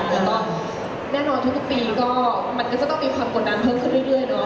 แล้วก็แน่นอนทุกปีก็มันก็จะต้องมีความกดดันเพิ่มขึ้นเรื่อยเนาะ